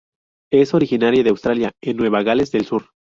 Es originaria de Australia en Nueva Gales del Sur.